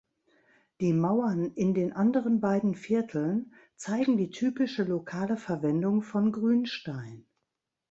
Die Mauern in den anderen beiden Vierteln zeigen die typische lokale Verwendung von Grünstein.